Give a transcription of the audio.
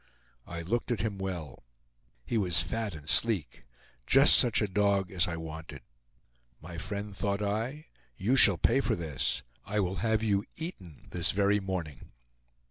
I looked at him well. He was fat and sleek; just such a dog as I wanted. "My friend," thought I, "you shall pay for this! I will have you eaten this very morning!"